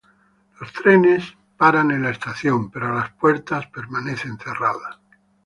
Los trenes paran en la estación pero las puertas permanecen cerradas.